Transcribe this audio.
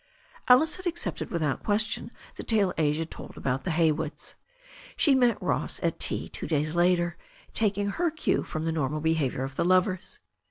Alice had accepted without question the tale Asia told about the Haywoods. She had met Ross at tea two days later, taking her cue from the normal behaviour of the lovers.